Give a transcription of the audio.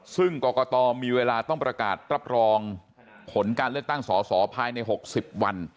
ซึ่งกรกตมีเวลาต้องประกาศรับรองผลการเลือกตั้งสอสอภายใน๖๐วัน